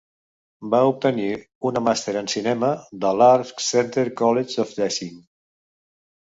Va obtenir una màster en cinema de l'Art Center College of Design.